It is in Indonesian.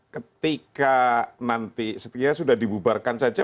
ketika nanti setidaknya sudah dibubarkan saja